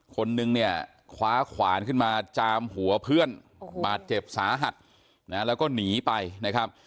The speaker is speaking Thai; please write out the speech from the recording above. คนนึงเนี่ยคว้าขวานขึ้นมาจามหัวเพื่อนบาดเจ็บสาหัสนะแล้วก็หนีไปนะครับ